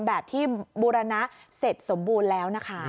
แบบที่บูรณะเสร็จสมบูรณ์แล้วนะคะ